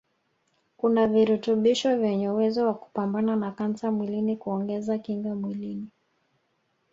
kuna virutubisho vyenye uwezo wa kupambana na kansa mwilini kuongeza kinga mwilini